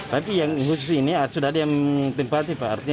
tapi yang khusus ini sudah ada yang tempatnya